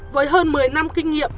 với hơn một mươi năm kinh nghiệm